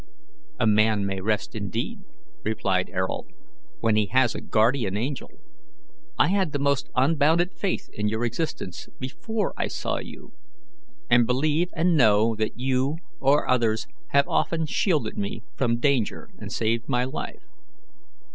"A man may rest indeed," replied Ayrault, "when he has a guardian angel. I had the most unbounded faith in your existence before I saw you, and believe and know that you or others have often shielded me from danger and saved my life.